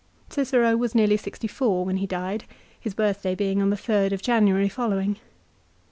Cicero was nearly sixty four when he died, his birthday being. on the 3rd of January following.